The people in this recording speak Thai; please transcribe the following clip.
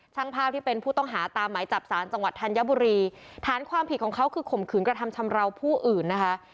ช่างภาพที่เป็นผู้ต้องหาตามหมายจับสารจังหวัดธัญบุรีฐานความผิดของเขาคือข่มขืนกระทำชำราวผู้อื่นนะคะ